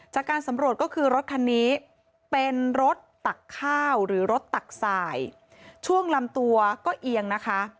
จากการสำรวจก็คือรถคันนี้เป็นรถตักข้าวหรือรถตักสายช่วงลำตัวก็เอียงนะคะ